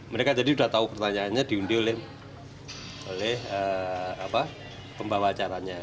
mereka jadi sudah tahu pertanyaannya diundi oleh pembawa acaranya